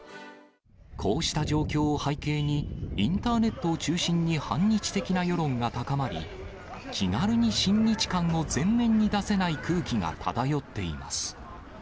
こうした状況を背景に、インターネットを中心に反日的な世論が高まり、気軽に親日感を前面に出せない空気が漂っています。